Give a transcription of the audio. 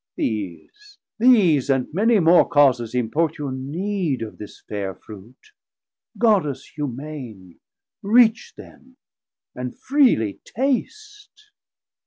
these, these and many more 730 Causes import your need of this fair Fruit. Goddess humane, reach then, and freely taste.